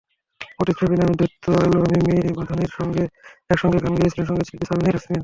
প্রতিচ্ছবি নামের দ্বৈত অ্যালবামে মেয়ে বাঁধনের সঙ্গে একসঙ্গে গান গেয়েছিলেন সংগীতশিল্পী সাবিনা ইয়াসমীন।